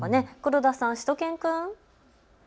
黒田さん、しゅと犬くん。